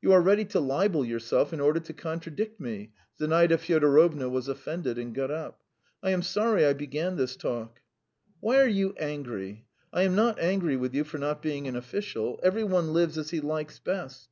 "You are ready to libel yourself in order to contradict me." Zinaida Fyodorovna was offended and got up. "I am sorry I began this talk." "Why are you angry? I am not angry with you for not being an official. Every one lives as he likes best."